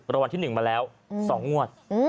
รางวัลที่๑มาแล้ว๒งวด